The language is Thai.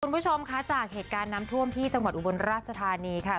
คุณผู้ชมคะจากเหตุการณ์น้ำท่วมที่จังหวัดอุบลราชธานีค่ะ